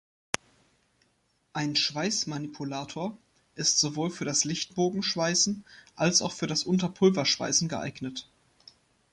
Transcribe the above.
Ein Schweißmanipulator ist sowohl für das Lichtbogenschweißen als auch für das Unterpulverschweißen geeignet.